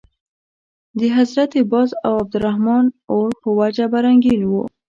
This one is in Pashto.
د حضرت باز او عبدالرحمن اور په وجه به رنګین وو.